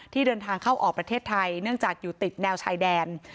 เดินทางเข้าออกประเทศไทยเนื่องจากอยู่ติดแนวชายแดน